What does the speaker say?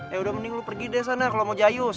eh udah mending lo pergi deh sana kalo mau jayus